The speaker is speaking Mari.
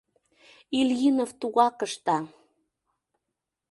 Ильинов тугак ышта.